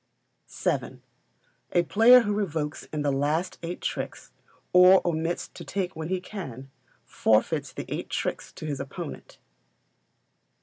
vii. A player who revokes in the last eight tricks, or omits to take when he can, forfeits the eight tricks to his opponent.